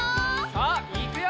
さあいくよ！